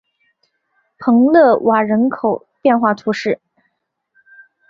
蓬勒瓦人口变化图示